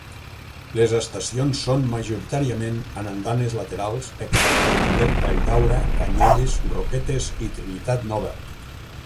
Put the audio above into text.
Les estacions són majoritàriament amb andanes laterals, excepte Mundet, Valldaura, Canyelles, Roquetes i Trinitat Nova.